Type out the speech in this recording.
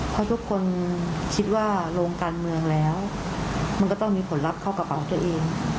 เพราะทุกคนคิดว่าลงการเมืองแล้วมันก็ต้องมีผลลัพธ์เข้ากระเป๋าของตัวเอง